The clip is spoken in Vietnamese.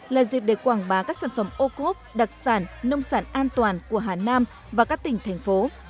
là dịp để quảng bá các sản phẩm ô cốp đặc sản nông sản an toàn của hà nam và các tỉnh thành phố